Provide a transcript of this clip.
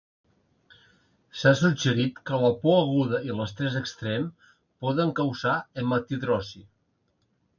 S'ha suggerit que la por aguda i l'estrès extrem poden causar hematidrosi.